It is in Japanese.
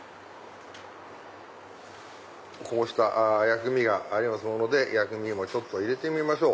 こうした薬味がありますもので薬味ちょっと入れてみましょう。